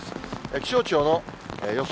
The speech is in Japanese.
気象庁の予想